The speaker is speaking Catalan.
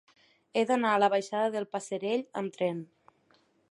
He d'anar a la baixada del Passerell amb tren.